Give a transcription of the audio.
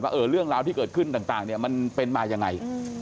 ว่าเรื่องราวที่เกิดขึ้นต่างมันเป็นมาอย่างไร